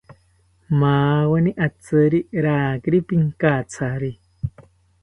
Maweni atziri rakiri pinkatsari